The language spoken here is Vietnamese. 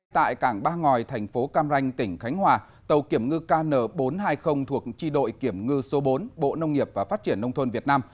tại cảng ba ngòi thành phố cam ranh tỉnh khánh hòa tàu kiểm ngư kn bốn trăm hai mươi thuộc chi đội kiểm ngư số bốn bộ nông nghiệp và phát triển nông thôn việt nam